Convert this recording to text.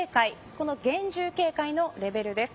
この、厳重警戒のレベルです。